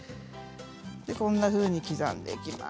こんなふうに刻んでいきます。